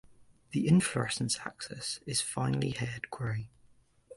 The inflorescence axis is finely haired gray.